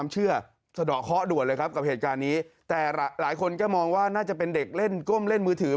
สุดก้มได้สุดขนาดนี้เลยเหรอ